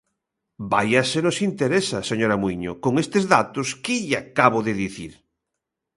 ¡Vaia se nos interesa, señora Muíño, con estes datos que lle acabo de dicir!